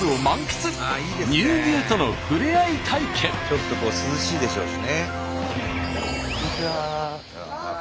ちょっとこう涼しいでしょうしね。